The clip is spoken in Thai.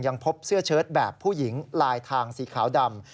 พบเสื้อเชิดแบบผู้หญิงลายทางสีขาวดำ